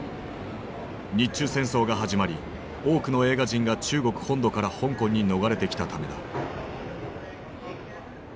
日中戦争が始まり多くの映画人が中国本土から香港に逃れてきたためだ。